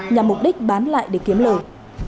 nhằm mục đích bán lại để kiếm lời